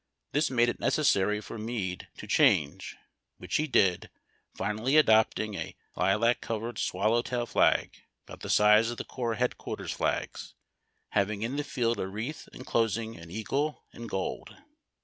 This made it necessary for Meade to change, which he did, finally adopting a lilac colored swal low tail flag, about the size of the corps headquarters flags, having in the field a wreath enclosing an eagle, in gold.